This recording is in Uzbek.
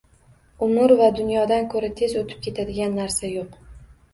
Umr va dunyodan ko‘ra tez o‘tib ketadigan narsa yo’q.